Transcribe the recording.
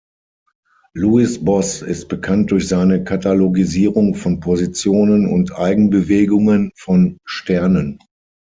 Lewis Boss ist bekannt durch seine Katalogisierung von Positionen und Eigenbewegungen von Sternen.